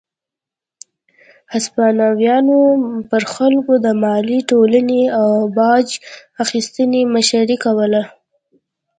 هسپانویانو پر خلکو د مالیې ټولونې او باج اخیستنې مشري کوله.